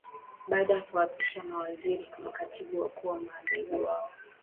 Baada ya kuwaapisha mawaziri makatibu wakuu na manaibu wao